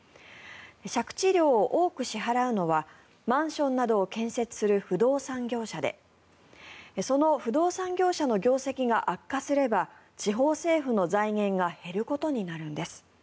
借地料を多く支払うのはマンションなどを建設する不動産業者でその不動産業者の業績が悪化すれば地方政府の財源が減ることになるんです。